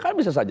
kan bisa saja